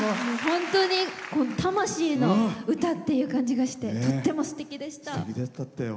本当に魂の歌っていう感じがしてとってもすてきでした。